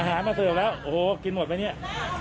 หามาเสิร์ฟแล้วโอ้โหกินหมดไหมเนี่ย